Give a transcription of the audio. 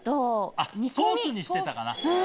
あっソースにしてたかな。